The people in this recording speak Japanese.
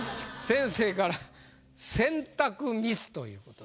先生から「選択ミス」ということでございます。